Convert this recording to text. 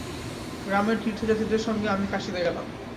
গ্রামের তীর্থযাত্রীদের সঙ্গে আমি কাশীতে গেলাম।